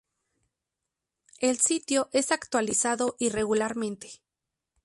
El sitio es actualizado irregularmente.